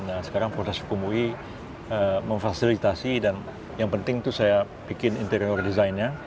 nah sekarang proses hukum ui memfasilitasi dan yang penting itu saya bikin interior design nya